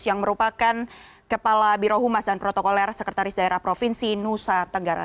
yang merupakan kepala birohumas dan protokoler sekretaris daerah provinsi nusa tenggara